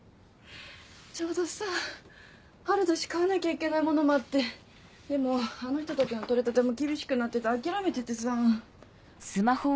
ちょうどさ春だし買わなきゃいけない物もあってでもあの人たちの取り立ても厳しくなってて諦めててさぁ。